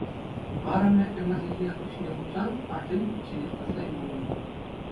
Арӑмӗ ӗмӗрлӗхех куҫне хупсан арҫын пӗчченех тӑрса юлнӑ.